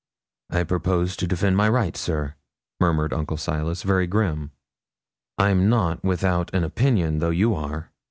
'I propose to defend my rights, sir,' murmured Uncle Silas, very grim. 'I'm not without an opinion, though you are.'